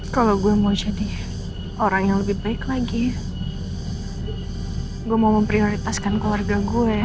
kalau gue mau jadi orang yang lebih baik lagi gue mau memprioritaskan keluarga gue ya